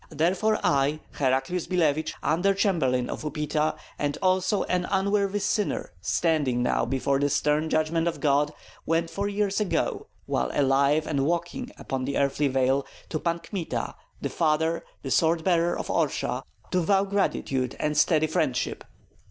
Therefore I, Heraclius Billevich, under chamberlain of Upita, and also an unworthy sinner standing now before the stern judgment of God, went four years ago, while alive and walking upon the earthly vale, to Pan Kmita, the father, the sword bearer of Orsha, to vow gratitude and steady friendship.